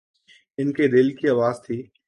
ان کے دل کی آواز تھی۔